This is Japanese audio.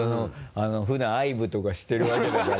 普段愛撫とかしてるわけだから。